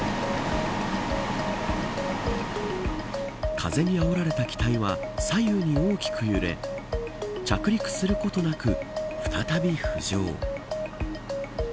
風にあおられた機体は左右に大きく揺れ着陸することなく再び浮上。